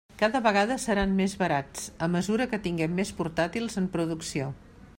Cada vegada seran més barats, a mesura que tinguem més portàtils en producció.